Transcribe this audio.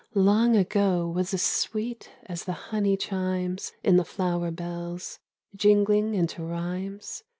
Long ago was as sweet as the hoiuy cliinies In the flower bells jingling into rhymes.